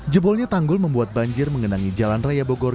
jebolnya tanggul membuat banjir mengenangi jalan raya bogor